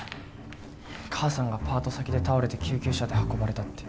母さんがパート先で倒れて救急車で運ばれたって。